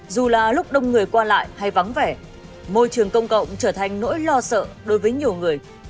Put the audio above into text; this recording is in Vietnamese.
dù là lúc đông người qua lại hay vắng vẻ môi trường công cộng trở thành nỗi lo sợ đối với nhiều người